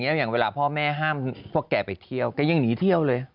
อย่างเวลาพ่อแม่ห้ามพวกแกไปเที่ยวแกยังหนีเที่ยวเลย